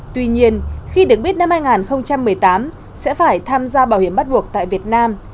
tuy nhiên khi được biết năm hai nghìn một mươi tám sẽ phải tham gia bảo hiểm bắt buộc tại việt nam